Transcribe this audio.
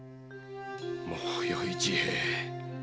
もうよい治兵衛。